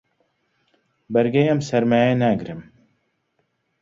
بەرگەی ئەم سەرمایە ناگرم.